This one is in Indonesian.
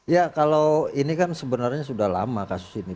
ya kalau ini kan sebenarnya sudah lama kasus ini